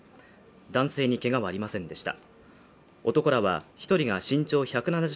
男性にけがはありませんでした。